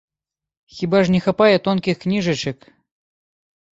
Хіба ж не хапае тонкіх кніжачак?